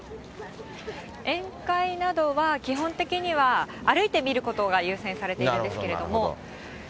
宴会などは、基本的には歩いて見ることが優先されているんですけれども。